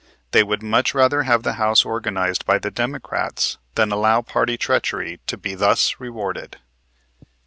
They would much rather have the House organized by the Democrats than allow party treachery to be thus rewarded.